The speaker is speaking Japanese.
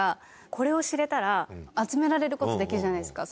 これを知れたら集められることできるじゃないですか。